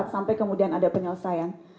sampai kemudian ada penyelesaian